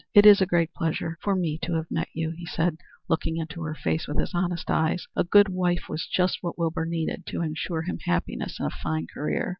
"It is a great pleasure to me to have met you," he said, looking into her face with his honest eyes. "A good wife was just what Wilbur needed to insure him happiness and a fine career.